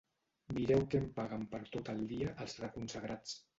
Mireu què em paguen per tot el dia, els reconsagrats.